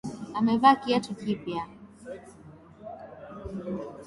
Amevaa kiatu kipya.